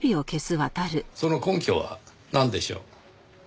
その根拠はなんでしょう？